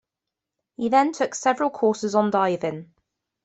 He then took several courses on diving.